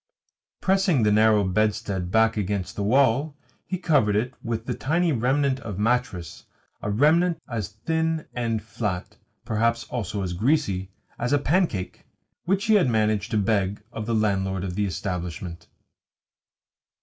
Pressing the narrow bedstead back against the wall, he covered it with the tiny remnant of mattress a remnant as thin and flat (perhaps also as greasy) as a pancake which he had managed to beg of the landlord of the establishment.